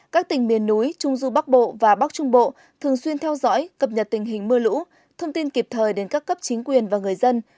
các tỉnh miền núi trung du bắc bộ và bắc trung bộ thường xuyên theo dõi cập nhật tình hình mưa lũ thông tin kịp thời đến các cấp chính quyền và người dân